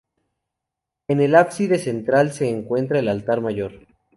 En el ábside central se encuentra el Altar Mayor.